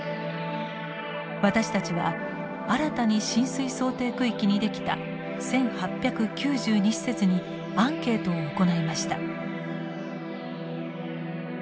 私たちは新たに浸水想定区域にできた１，８９２施設にアンケートを行いました。